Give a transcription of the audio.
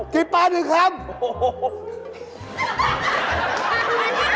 ถ้าทานน้ำตาอร่อย